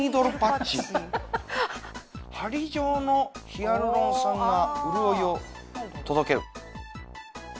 「針状のヒアルロン酸が潤いを届ける」